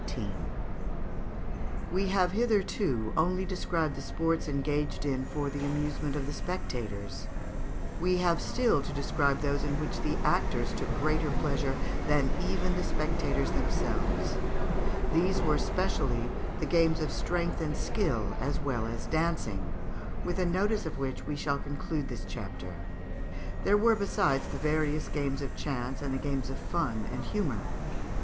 ] We have hitherto only described the sports engaged in for the amusement of the spectators; we have still to describe those in which the actors took greater pleasure than even the spectators themselves. These were specially the games of strength and skill as well as dancing, with a notice of which we shall conclude this chapter. There were, besides, the various games of chance and the games of fun and humour.